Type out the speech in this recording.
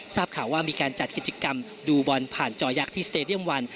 ทราบข่าวว่ามีการจัดกิจกรรมดูบอลผ่านจอยักษ์ที่สเตดียมวัน